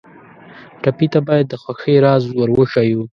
ټپي ته باید د خوښۍ راز ور وښیو.